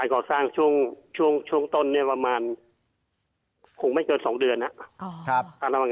ก่อสร้างช่วงต้นประมาณคงไม่เกิน๒เดือนนะครับ